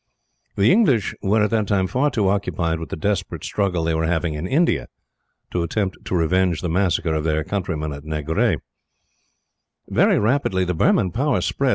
The English were, at the time, far too occupied with the desperate struggle they were having, in India, to attempt to revenge the massacre of their countrymen at Negrais. "Very rapidly the Burman power spread.